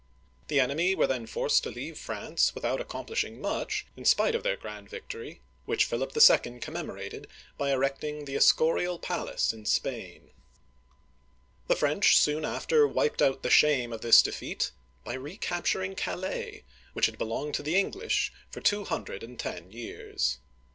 The enemy were th6n forced to leave France without accomplishing much, in spite of their grand victory, which Philip II. commemorated by erecting the Esco'rial Palace in Spain. The French soon after wiped out the shame of this de feat by recapturing Calais, which had belonged to the English for two hundred and ten years.